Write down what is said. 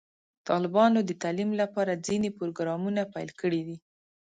طالبانو د تعلیم لپاره ځینې پروګرامونه پیل کړي دي.